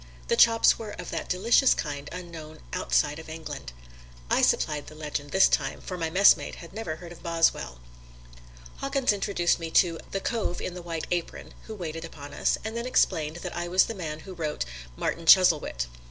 The chops were of that delicious kind unknown outside of England. I supplied the legend this time, for my messmate had never heard of Boswell. Hawkins introduced me to "the cove in the white apron" who waited upon us, and then explained that I was the man who wrote "Martin Chuzzlewit."